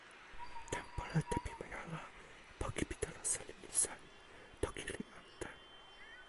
tenpo lete pimeja la, poki pi telo seli li seli, toki li ante